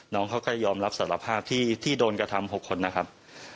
น้องเขาก็ยอมรับสารภาพที่โดนกระทำ๖คนนะครับ